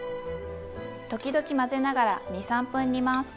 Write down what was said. ときどき混ぜながら２３分煮ます。